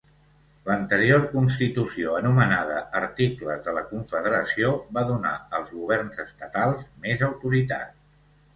L'anterior constitució, anomenada Articles de la Confederació, va donar als governs estatals més autoritat.